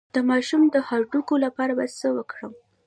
د ماشوم د هډوکو لپاره باید څه وکړم؟